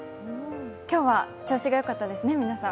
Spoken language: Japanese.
今日は調子がよかったですね、皆さん。